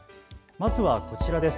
まずはこちらです。